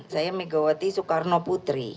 saya megawati soekarno putri